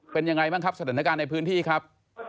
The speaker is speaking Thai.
เป็นยังไงบ้างครับสถานการณ์ในพื้นที่ครับ